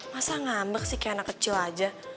masa ngambek sih kayak anak kecil aja